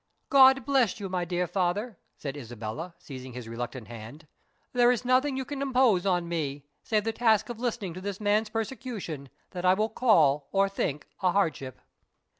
"God bless you, my dear father," said Isabella, seizing his reluctant hand "there is nothing you can impose on me, save the task of listening to this man's persecution, that I will call, or think, a hardship."